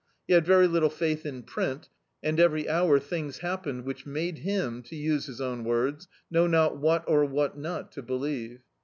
He had very little faith in print, and every hour things happened which made him — to use his own words — "know not what or what not to be lieve."